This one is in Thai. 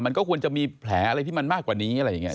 มันก็ควรจะมีแผลอะไรที่มันมากกว่านี้อะไรอย่างนี้